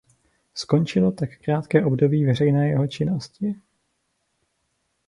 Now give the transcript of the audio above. Skončilo tak krátké období veřejné jeho činnosti.